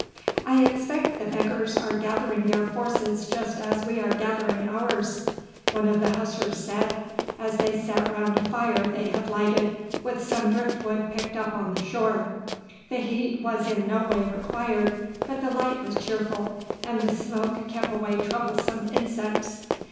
"I expect the beggars are gathering their forces just as we are gathering ours," one of the Hussars said, as they sat round a fire they had lighted with some drift wood picked up on shore. The heat was in no way required, but the light was cheerful, and the smoke kept away troublesome insects.